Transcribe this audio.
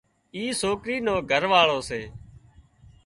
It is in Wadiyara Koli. اي سوڪرِي نو گھر واۯو سي